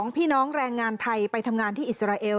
พี่น้องแรงงานไทยไปทำงานที่อิสราเอล